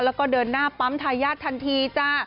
แล้วก็เดินหน้าปั๊มทายาททันทีจ้า